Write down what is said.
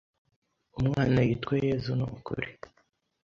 umwana yitwe Yezu nukuri